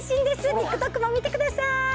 ＴｉｋＴｏｋも見てください。